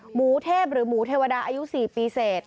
หมูเทพหรือหมูเทวดาอายุ๔ปีเศษ